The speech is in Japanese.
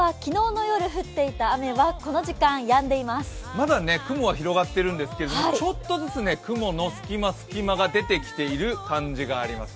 まだ雲は広がっているんですがちょっとずつ雲の隙間、隙間が出てきてる感じです。